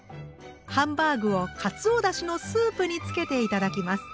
ハンバーグをかつおだしのスープにつけて頂きます。